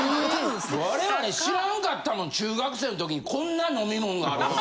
・我々知らんかったもん中学生の時にこんな飲み物があることを。